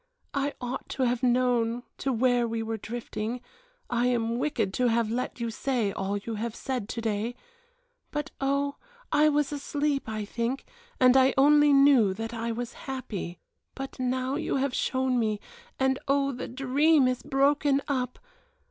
I ought to have known to where we were drifting, I am wicked to have let you say all you have said to day, but oh, I was asleep, I think, and I only knew that I was happy. But now you have shown me and oh, the dream is broken up.